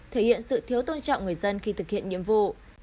thể hiện sự thiếu tôn trọng người dân khi thực hiện nhiệm vụ